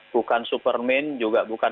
bukan superman juga bukan